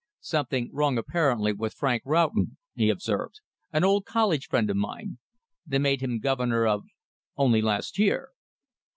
"Something wrong, apparently, with Frank Roughton," he observed; "an old college friend of mine. They made him Governor of only last year."